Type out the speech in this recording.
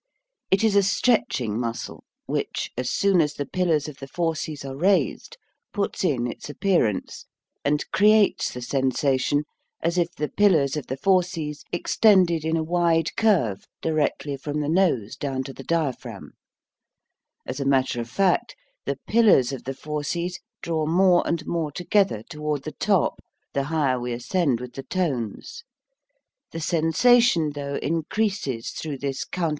It is a stretch ing muscle which, as soon as the pillars of the fauces are raised, puts in its appearance and creates the sensation as if the pillars of the fauces extended in a wide curve directly from the nose down to the diaphragm. As a matter of fact the pillars of the fauces draw more and more together toward the top the higher we ascend with the tones. The sensation, though, increases through this countertension down wards. Side of the tongue kept high. Furrow.